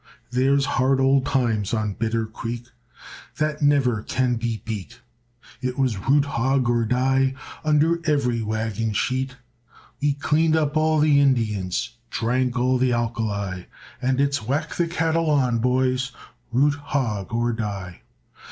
There's hard old times on Bitter Creek That never can be beat, It was root hog or die Under every wagon sheet; We cleaned up all the Indians, Drank all the alkali, And it's whack the cattle on, boys, Root hog or die.